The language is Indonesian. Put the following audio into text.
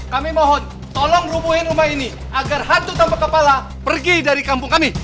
kami mohon tolong rubuhin rumah ini agar hantu tanpa kepala pergi dari kampung kami